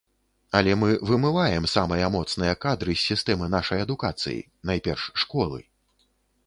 Але мы вымываем самыя моцныя кадры з сістэмы нашай адукацыі, найперш школы.